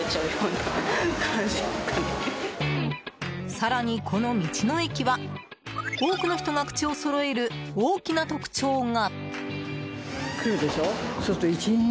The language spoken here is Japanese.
更に、この道の駅は多くの人が口をそろえる大きな特徴が。